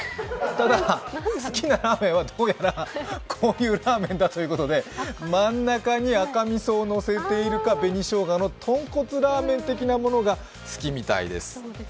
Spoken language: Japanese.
ただ、好きなラーメンはどうやらこういうラーメンだということで真ん中に赤みそをのせているか、紅しょうがのとんこつラーメン的なものが好きみたいです。